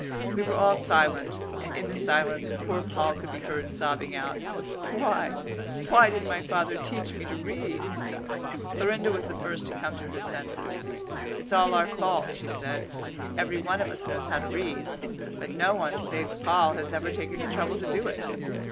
We were all silent; and, in the silence, poor Poll could be heard sobbing out, "Why, why did my father teach me to read?" Clorinda was the first to come to her senses. "It's all our fault," she said. "Every one of us knows how to read. But no one, save Poll, has ever taken the trouble to do it.